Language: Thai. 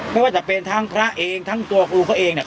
ไม่ว่าจะเป็นทั้งพระเองทั้งตัวครูเขาเองเนี่ย